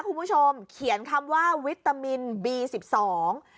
คุณผู้ชมเขียนคำว่าวิตามินบีสิบสอง